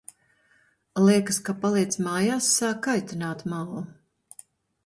Liekas, ka paliecmājās sāk kaitināt Mao.